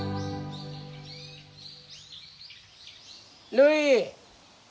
るい！